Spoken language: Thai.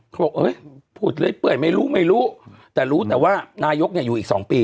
บอกเอ้ยพูดเรื่อยเปื่อยไม่รู้ไม่รู้แต่รู้แต่ว่านายกเนี่ยอยู่อีก๒ปี